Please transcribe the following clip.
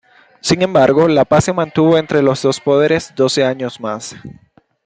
Sin embargo, la paz se mantuvo entre los dos poderes doce años más.